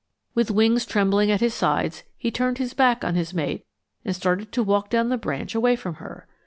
With wings trembling at his sides he turned his back on his mate and started to walk down the branch away from her!